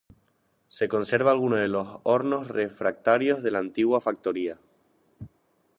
Se conservan algunos de los hornos refractarios de la antigua factoría.